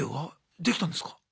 できたんですか？